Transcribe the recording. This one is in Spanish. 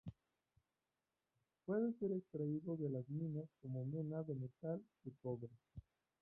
Puede ser extraído de las minas como mena del metal de cobre.